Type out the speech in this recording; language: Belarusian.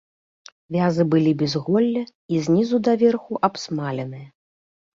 Вязы былі без голля і знізу даверху абсмаленыя.